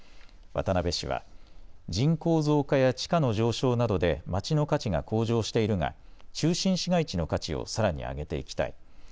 渡辺氏は人口増加や地価の上昇などでまちの価値が向上しているが中心市街地の価値をさらに上げていきたい。